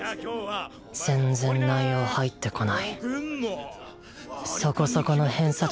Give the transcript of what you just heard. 全然内容入ってこない。